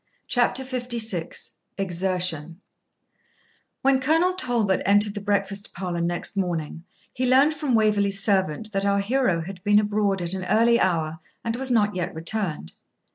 CHAPTER LVI EXERTION When Colonel Talbot entered the breakfast parlour next morning, he learned from Waverley's servant that our hero had been abroad at an early hour and was not yet returned.